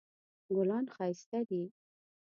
ګلان ښایسته دي